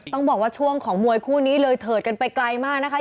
ต้องบอกว่าช่วงของมวยคู่นี้เลยเถิดกันไปไกลมากนะคะ